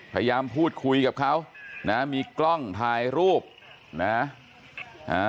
พยายามพูดคุยกับเขานะมีกล้องถ่ายรูปนะอ่า